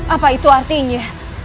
apa itu artinya